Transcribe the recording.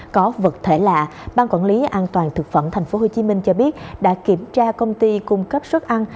có vật thể lạ ban quản lý an toàn thực phẩm tp hcm cho biết đã kiểm tra công ty cung cấp suất ăn